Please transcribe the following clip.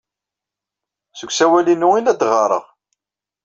Seg usawal-inu ay la d-ɣɣareɣ.